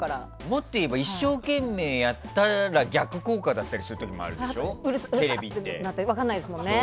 もっと言えば一生懸命やったら逆効果だったりするときもあるでしょテレビって。